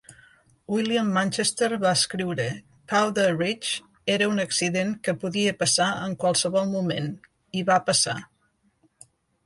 William Manchester va escriure: Powder Ridge era un accident que podia passar en qualsevol moment, i va passar.